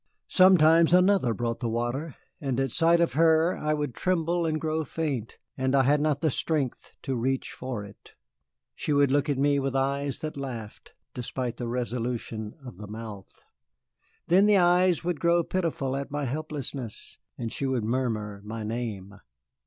Sometimes another brought the water, and at sight of her I would tremble and grow faint, and I had not the strength to reach for it. She would look at me with eyes that laughed despite the resolution of the mouth. Then the eyes would grow pitiful at my helplessness, and she would murmur my name.